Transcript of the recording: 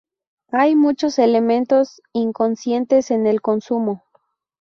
Hay muchos elementos inconscientes en el consumo.